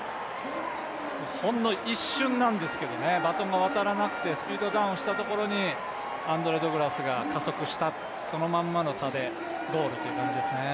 ほんの一瞬なんですけどバトンが渡らなくてスピードダウンしたところにアンドレ・ド・グラスが加速した、そのままの差でゴールという感じですね。